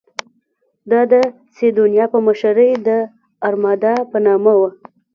دا د سیدونیا په مشرۍ د ارمادا په نامه وه.